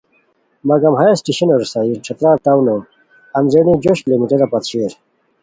مگم ہیہ اسٹیشنو رسائی ݯھترار ٹاونو اندرینی جوش کلومیٹرا پت شیر